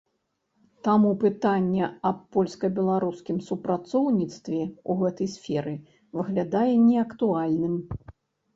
Таму пытанне аб польска-беларускім супрацоўніцтве ў гэтай сферы выглядае неактуальным.